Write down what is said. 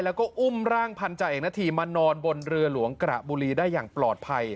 แล้วก็อุ้มร่างพันธาเอกนาธีมานอนบนเรือหลวงกระบุรีได้อย่างปลอดภัย